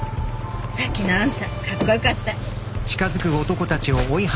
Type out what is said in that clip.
さっきのあんたかっこよかった。